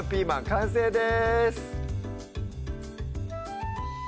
完成です